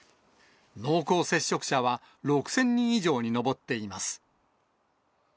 濃厚接触者は６０００人以上に上っています。